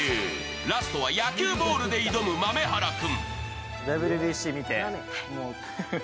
ラストは野球ボールで挑む豆原君。